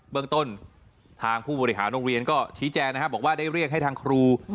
เมืองต้นทางผู้บริหารโรงเรียนก็ชี้แจงนะครับบอกว่าได้เรียกให้ทางครู